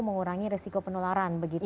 mengurangi resiko penularan begitu